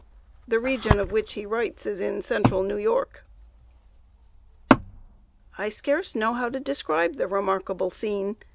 The region of which he writes is in Central New York. "I scarce know how to describe the remarkable scene.